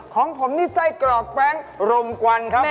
ของผมนี่ไส้กรอกแป้งรมกวันครับ